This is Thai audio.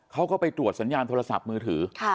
เขาก็ไปตรวจสัญญาณโทรศัพท์มือถือ